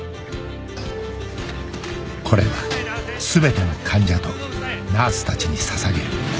これは全ての患者とナースたちに捧げる